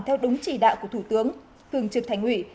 theo đúng chỉ đạo của thủ tướng thường trực thành ủy